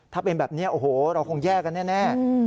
ถ้าเป็นแบบนี้โอ้โหเราคงแย่กันแน่